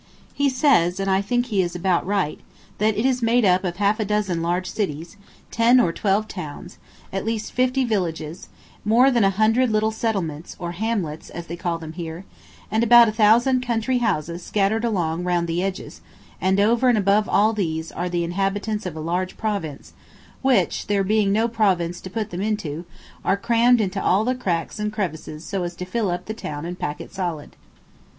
He says, and I think he is about right, that it is made up of half a dozen large cities, ten or twelve towns, at least fifty villages, more than a hundred little settlements, or hamlets, as they call them here, and about a thousand country houses scattered along around the edges; and over and above all these are the inhabitants of a large province, which, there being no province to put them into, are crammed into all the cracks and crevices so as to fill up the town and pack it solid.